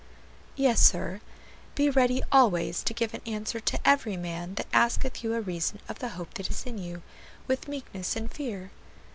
"Yes, sir: 'Be ready always to give an answer to every man that asketh you a reason of the hope that is in you, with meekness and fear.'"